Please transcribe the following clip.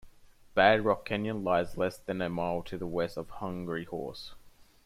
Bad Rock Canyon lies less than a mile to the west of Hungry Horse.